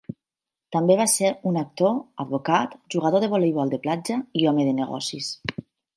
També va ser un actor, advocat, jugador de voleibol de platja, i home de negocis.